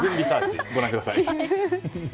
ご覧ください。